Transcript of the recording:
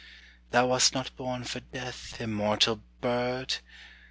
Thou wast not born for death, immortal Bird!